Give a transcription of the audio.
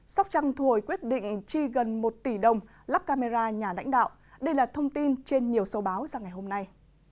sóc trăng thu hồi quyết định chi gần một tỷ đồng lắp camera nhà lãnh đạo đây là thông tin trên nhiều số báo ra ngày hôm nay